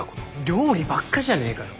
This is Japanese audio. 料理ばっかじゃねえかよ。